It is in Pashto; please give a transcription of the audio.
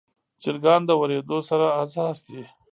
چرګان د وریدو سره حساس دي.